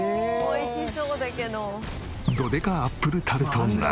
美味しそうだけど。